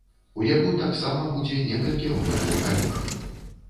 У яго таксама будзе некалькі робатаў-калег.